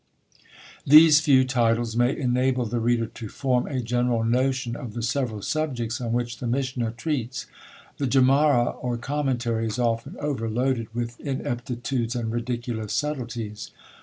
These few titles may enable the reader to form a general notion of the several subjects on which the Mishna treats. The Gemara or Commentary is often overloaded with ineptitudes and ridiculous subtilties.